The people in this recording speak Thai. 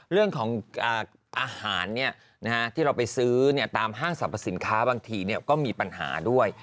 เรื่องของอาหารที่เราไปซื้อตามห้างสรรพสินค้าบางทีก็มีปัญหาด้วย